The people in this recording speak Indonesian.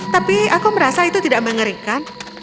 tapi aku merasa itu tidak mengerikan